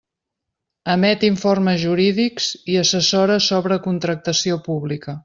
Emet informes jurídics i assessora sobre contractació pública.